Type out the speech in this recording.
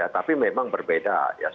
tapi memang berbeda